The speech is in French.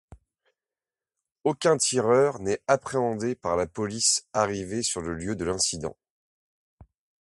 Aucun tireur n'est appréhendé par la police arrivée sur le lieu de l'incident.